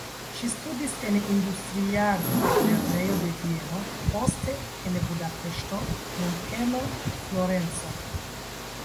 Ŝi studis en industriarta lernejo de Vieno, poste en Budapeŝto, Munkeno, Florenco.